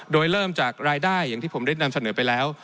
โดยเริ่มจากรายได้อย่างที่ผมได้นำเสนอไปแล้ว